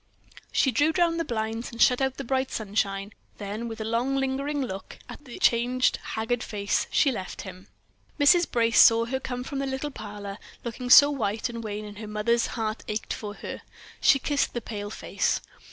She drew down the blinds, and shut out the bright sunshine; then, with a long, lingering look at the changed, haggard face, she left him. Mrs. Brace saw her come from the little parlor, looking so white and wan that her mother's heart ached for her. She kissed the pale face.